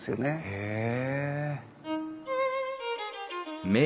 へえ。